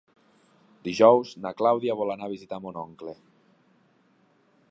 Dijous na Clàudia vol anar a visitar mon oncle.